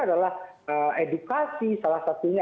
adalah edukasi salah satunya